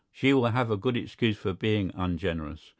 She will have a good excuse for being ungenerous.